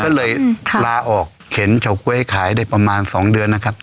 ก็เลยลาออกเข็นเฉาก๊วยขายได้ประมาณ๒เดือนนะครับ